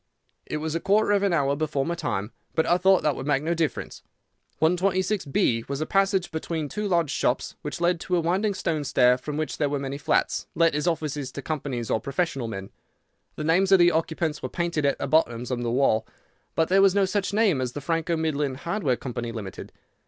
"It was a quarter of an hour before my time, but I thought that would make no difference. 126B, was a passage between two large shops, which led to a winding stone stair, from which there were many flats, let as offices to companies or professional men. The names of the occupants were painted at the bottom on the wall, but there was no such name as the Franco Midland Hardware Company, Limited.